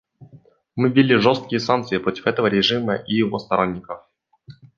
Мы ввели жесткие санкции против этого режима и его сторонников.